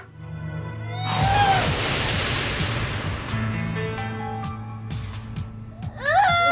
sabar anak ya